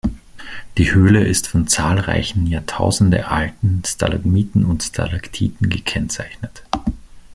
Die Höhle ist von zahlreichen jahrtausendealten Stalagmiten und Stalaktiten gekennzeichnet.